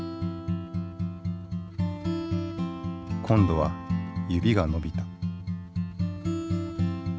今度は指が伸びた。